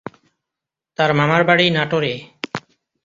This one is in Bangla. তার মামার বাড়ি নাটোরে।